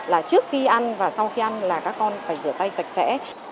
là trước khi ăn và sau khi ăn là các con phải rửa tay sạch sẽ